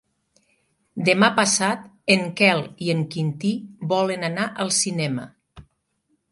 Demà passat en Quel i en Quintí volen anar al cinema.